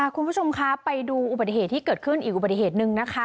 คุณผู้ชมคะไปดูอุบัติเหตุที่เกิดขึ้นอีกอุบัติเหตุหนึ่งนะคะ